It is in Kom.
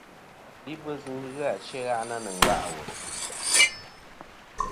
Libɨs ghɨ achi a gha'na nɨ̀ nga' ɨ wùl.